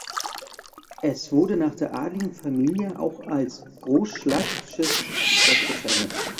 Es wurde nach der adligen Familie auch als Groschlag´sches Schloss bezeichnet.